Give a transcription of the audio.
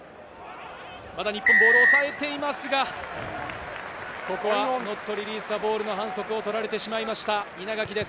ボールを日本が抑えていますが、ここはノットリリースザボールの反則を取られてしまいました、稲垣です。